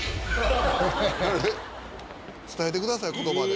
「伝えてください言葉で。